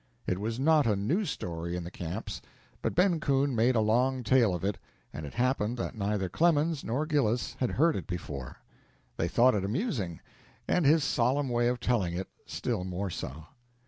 It was not a new story in the camps, but Ben Coon made a long tale of it, and it happened that neither Clemens nor Gillis had heard it before. They thought it amusing, and his solemn way of telling it still more so.